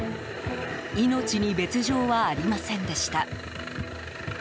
命に別状はありませんでした。